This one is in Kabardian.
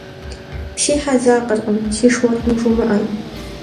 Си хьэ дзакъэркъым, сиш уэркъым жумыӏэ.